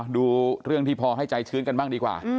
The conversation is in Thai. ดูเรื่องที่พอให้ใจชื้นกันบ้างดีกว่า